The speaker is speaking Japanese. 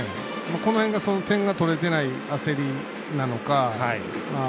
この辺が点が取れてない焦りなのか。